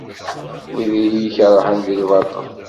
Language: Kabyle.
Wid i iyi-ikerhen di lbaṭel.